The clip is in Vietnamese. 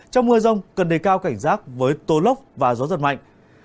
trong mưa rông cần đầy cao cảnh giác với tố lốc và gió giật mạnh